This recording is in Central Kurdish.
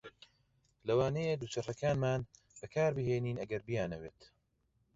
لەوانەیە دووچەرخەکانمان بەکاربهێنن ئەگەر بیانەوێت.